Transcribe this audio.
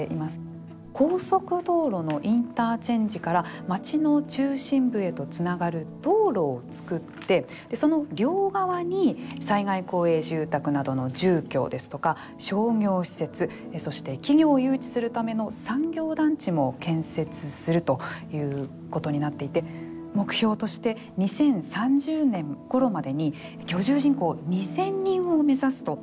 高速道路のインターチェンジから町の中心部へとつながる道路を造って、その両側に災害公営住宅などの住居ですとか商業施設そして企業を誘致するための産業団地も建設するということになっていて目標として２０３０年ごろまでに居住人口２０００人を目指すと。